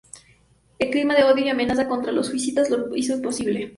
El clima de odio y amenazas contra los jesuitas lo hizo imposible.